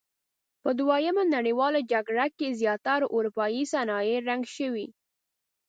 په دویمې نړیوالې جګړې کې زیاتره اورپایي صنایع رنګ شوي.